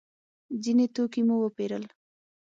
ځینې توکي مو وپېرل.